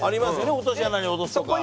落とし穴に落とすとか。